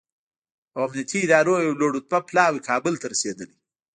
او امنیتي ادارو یو لوړ رتبه پلاوی کابل ته رسېدلی